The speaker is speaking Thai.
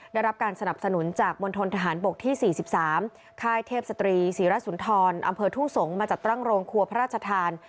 ได้รับการสนับสนุนจากมณฑนทหารบกที่๔๓ค่ายเทพศตรีศรีรสุนทรอำเภอทุ่งสงศ์มาจัดตั้งโรงครัวพระราชทาน